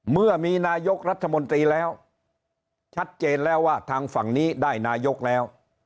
เมื่อมีนายกรัฐมนตรีแล้วชัดเจนแล้วว่าทางฝั่งนี้ได้นายกแล้ว